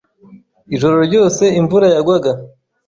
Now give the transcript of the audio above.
Ijoro ryose imvura yagwaga.